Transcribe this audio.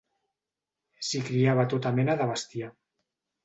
S'hi criava tota mena de bestiar.